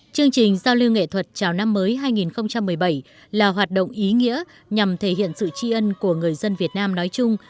chương trình giao lưu nghệ thuật chào năm mới hai nghìn một mươi bảy là hoạt động ý nghĩa nhằm thể hiện sự tri ân của người dân việt nam nói chung